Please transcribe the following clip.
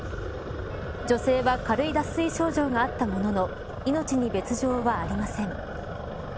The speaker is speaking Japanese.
女性は軽い脱水症状があったものの命に別条はありません。